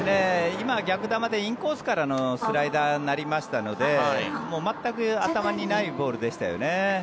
今、逆球でインコースからのスライダーになりましたので全く頭にないボールでしたよね。